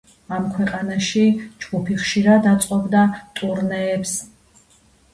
ამ ქვეყანაში ჯგუფი ხშირად აწყობდა ტურნეებს.